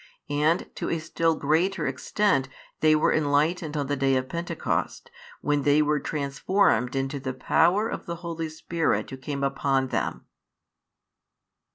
And to a still greater extent they were enlightened on the Day of Pentecost, when they were transformed into the power of the Holy Spirit Who came upon them.